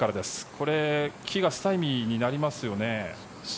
これ、木がスタイミーになりますよね。